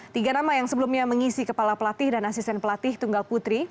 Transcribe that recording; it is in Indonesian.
tiga nama yang sebelumnya mengisi kepala pelatih dan asisten pelatih tunggal putri